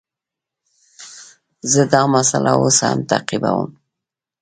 زه دا مسئله اوس هم تعقیبوم.